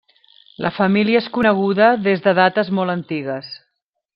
La família és coneguda des de dates molt antigues.